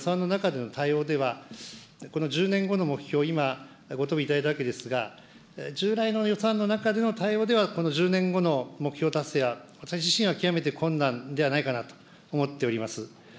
そういった中で、これは従来の予算の中での対応では、この１０年後の目標、今、ご答弁いただいたわけですが、従来の予算の中での対応では、この１０年後の目標達成は、私自身は極めて困難ではないかなと思っております。